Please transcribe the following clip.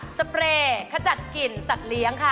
เปรย์ขจัดกลิ่นสัตว์เลี้ยงค่ะ